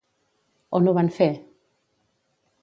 On ho van fer?